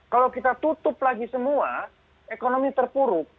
kalau kita tutup lagi semua ekonomi terpuruk